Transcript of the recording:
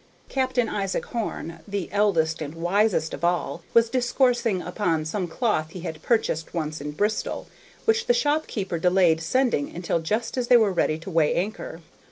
Captain Isaac Horn, the eldest and wisest of all, was discoursing upon some cloth he had purchased once in Bristol, which the shopkeeper delayed sending until just as they were ready to weigh anchor.